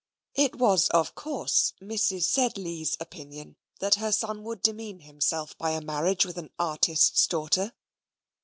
It was, of course, Mrs. Sedley's opinion that her son would demean himself by a marriage with an artist's daughter.